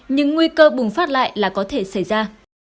nhưng nguy cơ bùng phát lại là có thể xảy ra